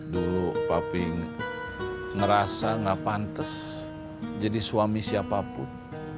dulu paping ngerasa gak pantes jadi suami siapapun